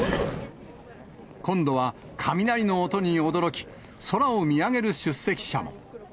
今度は雷の音に驚き、空を見上げる出席者も。